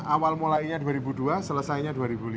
awal mulainya dua ribu dua selesainya dua ribu lima